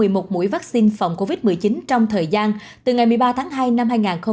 một mũi vắc xin phòng covid một mươi chín trong thời gian từ ngày một mươi ba tháng hai năm hai nghìn hai mươi một